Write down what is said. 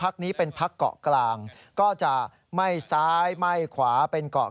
กรณีนี้ทางด้านของประธานกรกฎาได้ออกมาพูดแล้ว